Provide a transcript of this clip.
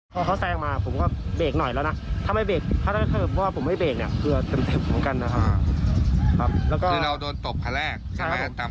พอเขาแซงมาผมก็เบรกหน่อยแล้วนะถ้าไม่เบรกถ้าถ้าเขาว่า